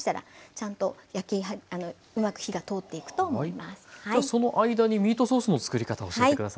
じゃあその間にミートソースの作り方教えて下さい。